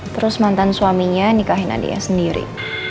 terus mantan suaminya nikahin adiknya sendiri